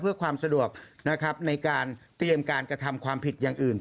เพื่อความสะดวกนะครับในการเตรียมการกระทำความผิดอย่างอื่น